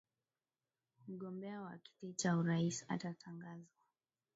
mgombea wa kiti cha urais atatangazwa